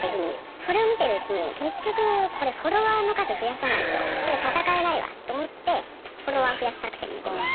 それを見てるうちに結局これフォロワーの数増やさないとこれ戦えないわと思ってフォロワー増やす作戦に出ました。